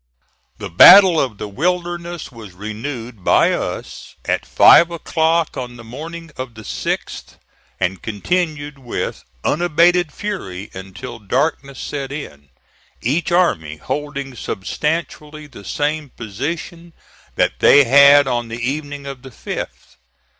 The battle of the Wilderness was renewed by us at five o'clock on the morning of the 6th, and continued with unabated fury until darkness set in, each army holding substantially the same position that they had on the evening of the 5th.